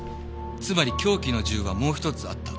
つまり凶器の銃はもう一つあった。